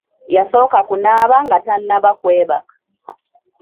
Yasooka kunaaba nga tannaba kwebaka.